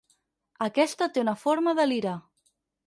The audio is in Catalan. Aquesta té una forma de lira.